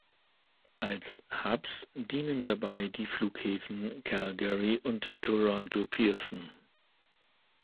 Als Hubs dienen dabei die Flughäfen Calgary und Toronto-Pearson.